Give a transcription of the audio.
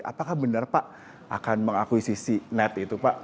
apakah benar pak akan mengakuisisi net itu pak